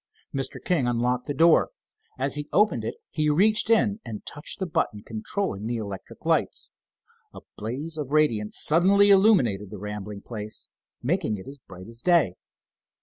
Mr. King unlocked the door. As he opened it he reached in and touched the button controlling the electric lights. A blaze of radiance suddenly illuminated the rambling place, making it as bright as day.